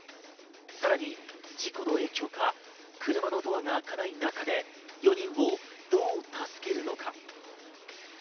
さらに事故の影響か、車のドアが開かない中で４人をどう助けるのか。